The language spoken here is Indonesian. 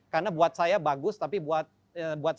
karena buat saya bagus tapi buat